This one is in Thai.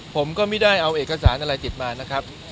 ผมก็ไม่ได้เอาเอกสารอะไรติดมานะครับ